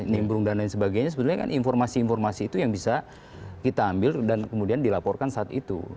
sebenarnya kan informasi informasi itu yang bisa kita ambil dan kemudian dilaporkan saat itu